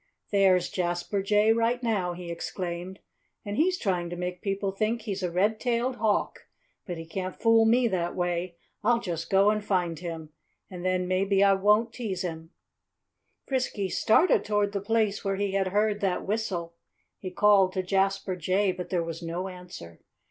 "There's Jasper Jay right now!" he exclaimed. "And he's trying to make people think he's a red tailed hawk. But he can't fool me that way. I'll just go and find him. And then maybe I won't tease him!" Frisky started toward the place where he had heard that whistle. He called to Jasper Jay; but there was no answer.